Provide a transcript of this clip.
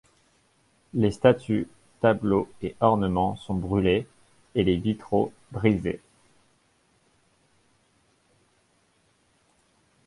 Les statues, tableaux et ornements sont brulés et les vitraux brisés.